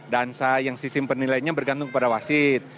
dansa yang sistem penilaiannya bergantung kepada wasit